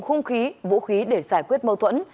khung khí vũ khí để giải quyết mâu thuẫn